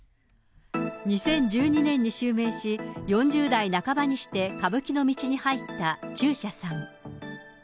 ２０１２年に襲名し、４０代半ばにして歌舞伎の道に入った中車さん。